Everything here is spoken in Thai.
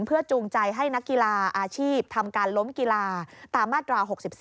เพื่อจูงใจให้นักกีฬาอาชีพทำการล้มกีฬาตามมาตรา๖๔